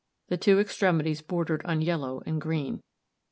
The two extremities bordered on yellow and green.